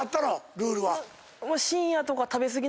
ルールは。